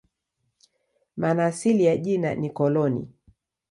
Maana asili ya jina ni "koloni".